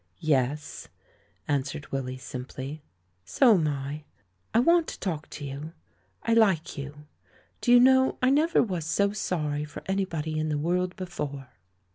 "Yes," answered Willy, simply. "So'm I. I want to talk to you — I like you. Do you know, I never was so sorry for anybody in the world before?"